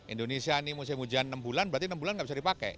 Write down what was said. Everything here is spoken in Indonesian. indonesia ini musim hujan enam bulan berarti enam bulan nggak bisa dipakai